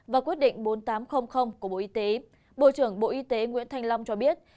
và quyết định bốn nghìn tám trăm linh của bộ y tế bộ trưởng bộ y tế nguyễn thanh long cho biết